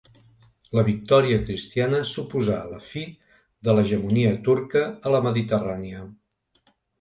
La victòria cristiana suposà la fi de l'hegemonia turca a la Mediterrània.